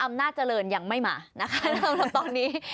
๙๐อำนาจเจริญยังไม่มานะคะสำหรับตอนนี้